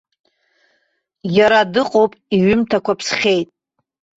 Иара дыҟоуп, иҩымҭақәа ԥсхьеит!